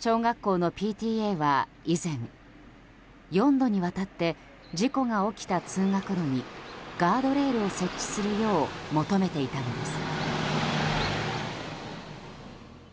小学校のＰＴＡは以前、４度にわたって事故が起きた通学路にガードレールを設置するよう求めていたのです。